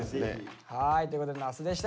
ということで那須でした。